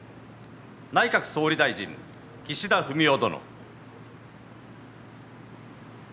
内閣総理大臣、岸田文雄殿。